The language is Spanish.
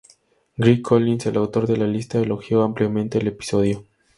Greg Collins, el autor de la lista, elogió ampliamente el episodio.